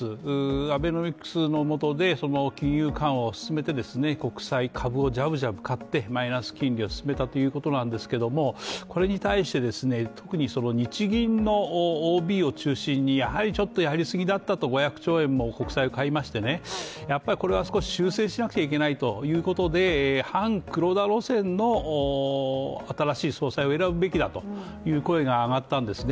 アベノミクスのもとで金融緩和を進めて、国債、株をじゃぶじゃぶ買ってマイナス金利を進めたということですけどこれに対して特に日銀のＯＢを中心にやはりやり過ぎだったと、５００兆円も国債を買いましてやはりこれは修正しなくちゃいけないと、反黒田路線の新しい総裁を選ぶべきだという声が上がったんですね。